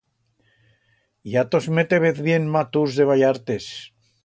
Ya tos metébez bien maturs de ballartes.